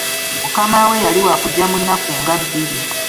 Mukama we yali waakujja mu nnaku nga bbiri.